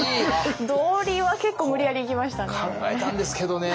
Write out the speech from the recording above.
道理は結構無理やりいきましたね。